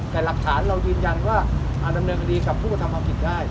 แต่หลักฐานเรายืนยันว่าอารัมเนื้อคดีกับผู้กำเนินฟังกิจได้